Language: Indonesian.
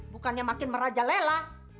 bukannya makin merajalela